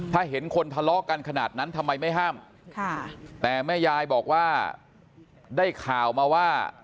ถ้าเห็นคนทะเลาะกันขนาดนั้นทำไมไม่ห้ามแต่แม่ยายบอกว่าได้ข่าวมาว่า